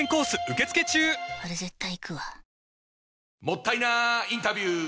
もったいなインタビュー！